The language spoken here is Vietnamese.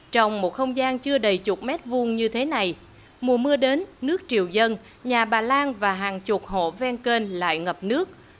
trong một không gian chưa đầy chục mét vuông như thế này mùa mưa đến nước triều dân nhà bà lan và hàng chục hộ ven kênh lại ngập nước